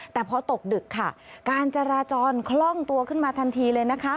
แต่พอตกดึกค่ะการจราจรคล่องตัวขึ้นมาทันทีเลยนะคะ